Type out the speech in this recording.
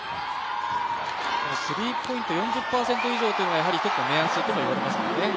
スリーポイント４０％以上というのが一つの目安と言われますよね。